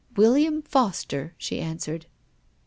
" William Foster," she answered.